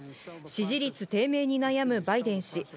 支持率低迷に悩むバイデン氏。